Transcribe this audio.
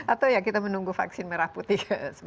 atau ya kita menunggu vaksin merah putih